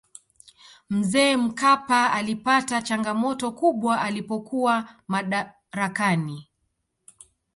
mzee mkapa alipata changamoto kubwa alipokuwa madarakani